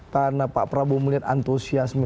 karena pak prabowo melihat antusiasme